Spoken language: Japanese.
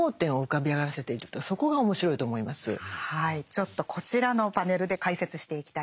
ちょっとこちらのパネルで解説していきたいんですが